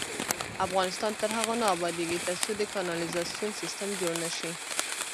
افغانستان تر هغو نه ابادیږي، ترڅو د کانالیزاسیون سیستم جوړ نشي.